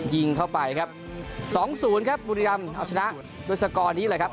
ยิงเข้าไปครับสองศูนย์ครับบุรีรำเอาชนะด้วยสกอร์นี้เลยครับ